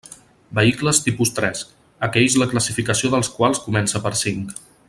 Vehicles tipus tres: aquells la classificació dels quals comence per cinc.